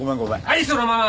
はいそのまま！